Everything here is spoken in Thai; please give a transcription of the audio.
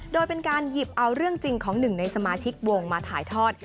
โดยเป็นการหยิบเอาเรื่องจริงของหนึ่งในสมาชิกวงมาถ่ายทอด